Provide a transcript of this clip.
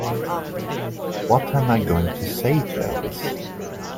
What am I going to say to Elvis?